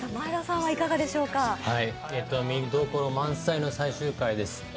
見どころ満載の最終回です。